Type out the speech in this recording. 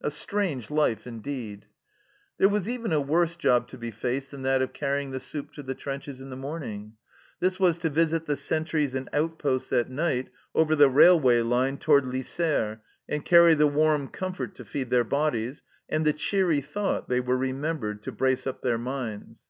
A strange life, indeed ! There was even a worse job to be faced than that of carrying the soup to the trenches in the morning. This was to visit the sentries and out posts at night, over the railway line, towards FYser, and carry the warm comfort to feed their bodies, and the cheery thought, they were remembered, to brace up their minds.